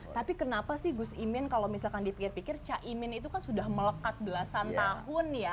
tapi kenapa sih gus imin kalau misalkan dipikir pikir caimin itu kan sudah melekat belasan tahun ya